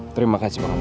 terima kasih pak kami